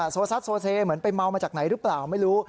โซซัสโซเซเหมือนไปเมามาจากไหนหรือเปล่าไม่รู้